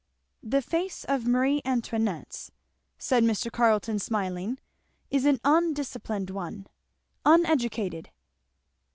"That face of Marie Antoinette's," said Mr. Carleton smiling, "is an undisciplined one uneducated."